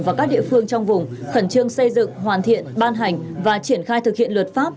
và các địa phương trong vùng khẩn trương xây dựng hoàn thiện ban hành và triển khai thực hiện luật pháp